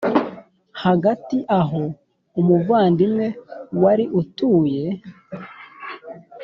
Hagati aho umuvandimwe wari utuye